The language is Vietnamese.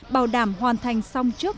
bảo đảm hoàn thành xong trước